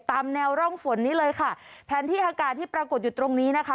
ตามแนวร่องฝนนี้เลยค่ะแผนที่อากาศที่ปรากฏอยู่ตรงนี้นะคะ